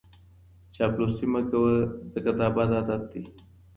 چاپلوسي مه کوه ځکه دا بد عادت دی.